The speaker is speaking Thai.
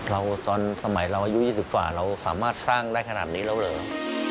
ตอนสมัยเราอายุ๒๐กว่าเราสามารถสร้างได้ขนาดนี้แล้วเหรอ